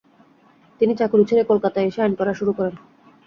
তিনি চাকুরি ছেড়ে কলকাতায় এসে আইন পড়া শুরু করেন।